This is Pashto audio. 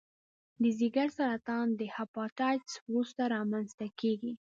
د ځګر سرطان د هپاتایتس وروسته رامنځته کېږي.